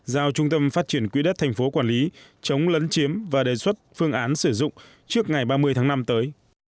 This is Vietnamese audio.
giao trung tâm phát triển quỹ đất tp quản lý chống lấn chiếm và đề xuất phương án sử dụng trước ngày ba mươi tháng năm tới